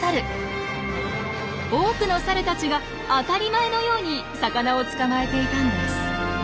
多くのサルたちが当たり前のように魚を捕まえていたんです。